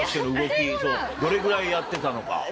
どれぐらいやってたのか。